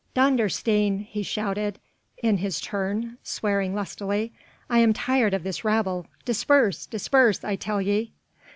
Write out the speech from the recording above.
"Dondersteen!" he shouted in his turn, swearing lustily, "I am tired of this rabble. Disperse! disperse, I tell ye!